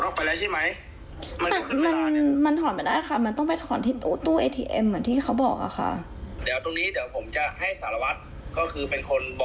ก็คือผู้กับพ่อทำไม่ค่อยเป็น